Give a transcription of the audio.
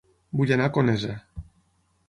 Vull anar a Conesa